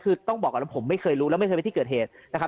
คือต้องบอกก่อนว่าผมไม่เคยรู้แล้วไม่เคยไปที่เกิดเหตุนะครับ